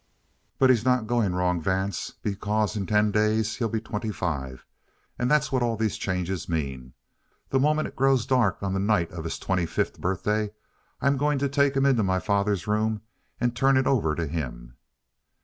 "But he's not going wrong, Vance. Because, in ten days, he'll be twenty five! And that's what all these changes mean. The moment it grows dark on the night of his twenty fifth birthday, I'm going to take him into my father's room and turn it over to him."